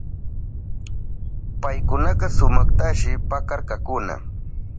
Paykunaka sumaktashi pakarkakuna.